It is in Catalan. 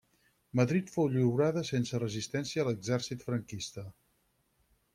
Madrid fou lliurada sense resistència a l'exèrcit franquista.